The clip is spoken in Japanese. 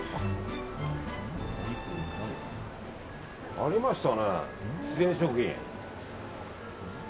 ありましたね、自然食品。